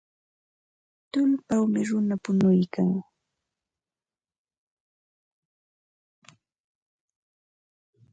Tullpawmi runa punuykan.